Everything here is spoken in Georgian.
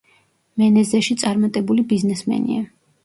მენეზეში წარმატებული ბიზნესმენია.